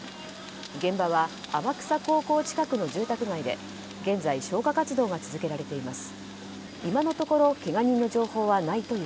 現場は天草高校近くの住宅街で現在、消火活動が続けられています。